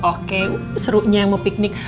oke serunya mau piknik